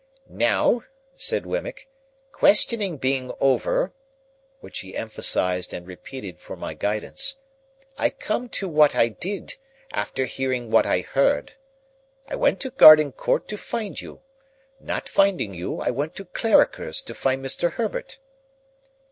"Now," said Wemmick, "questioning being over," which he emphasised and repeated for my guidance, "I come to what I did, after hearing what I heard. I went to Garden Court to find you; not finding you, I went to Clarriker's to find Mr. Herbert."